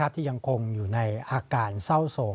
ที่ยังคงอยู่ในอาการเศร้าโศก